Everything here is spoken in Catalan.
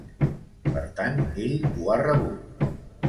Per tant, ell ho ha rebut.